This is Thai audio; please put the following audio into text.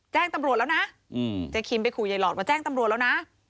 แจ้งตำรวจแล้วนะเจ๊คิมไปขู่ยายหลอดมาแจ้งตำรวจแล้วนะ